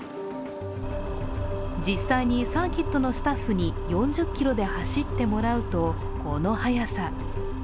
実際に、サーキットのスタッフに４０キロで走ってもらうと、この速さ。